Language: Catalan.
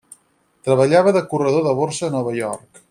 Treballava de corredor de borsa a Nova York.